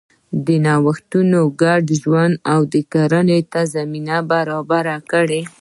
دا نوښتونه ګډ ژوند او کرنې ته زمینه برابره کړه.